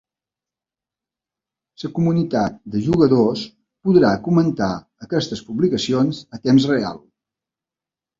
La comunitat de jugadors podrà comentar aquestes publicacions a temps real.